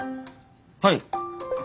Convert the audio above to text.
はい。